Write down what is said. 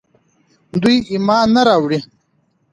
دوی ايمان نه راوړي